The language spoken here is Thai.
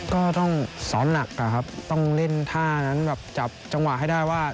ก็ต้องสอนหนักอะครับต้องเล่นท่านั้นแบบจับจังหวะให้ได้ว่า